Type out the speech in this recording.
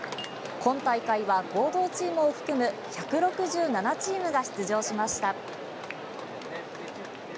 今大会は合同チームを含む１６７チームが出場しました。